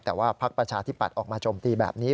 แต่ว่าพักประชาธิปัตย์ออกมาโจมตีแบบนี้